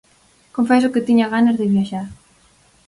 Confeso que tiña ganas de viaxar.